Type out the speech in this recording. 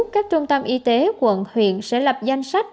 các trung tâm y tế quận huyện sẽ lập danh sách